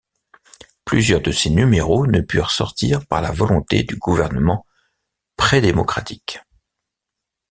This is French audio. Plusieurs de ses numéros ne purent sortir par la volonté du gouvernement prédémocratique.